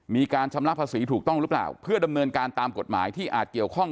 มีการชำระภาษีถูกต้องหรือเปล่าเพื่อดำเนินการตามกฎหมายที่อาจเกี่ยวข้อง